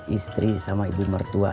istri sama ibu mertua